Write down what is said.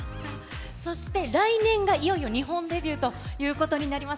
そして来年がいよいよ日本デビューということになります。